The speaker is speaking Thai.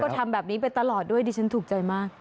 ทำแบบนี้ไปตลอดด้วยดิฉันถูกใจมาก